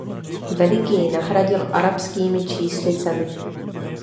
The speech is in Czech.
Veliký nahradil arabskými číslicemi.